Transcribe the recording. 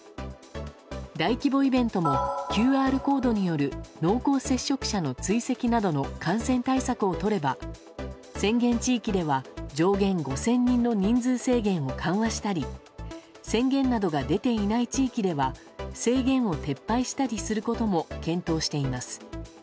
大規模イベントもＱＲコードによる濃厚接触者の追跡などの感染対策をとれば宣言地域では上限５０００人の人数制限を緩和したり宣言などが出ていない地域では制限を撤廃したりすることも検討しています。